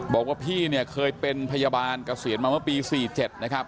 บอกว่าพี่เคยเป็นพยาบาลกระเซียนมาเมื่อปี๔๗นะครับ